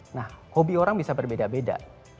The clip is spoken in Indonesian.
nah hobi orang bisa berbeda beda